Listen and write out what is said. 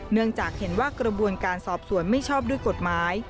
เนื่องจากเห็นว่ากระบวนการสอบสวนไม่ชอบด้วยกฎหมาย